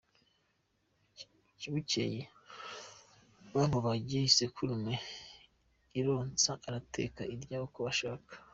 Bukeye bamubagira isekurume, arotsa, arateka, arya uko ashaka.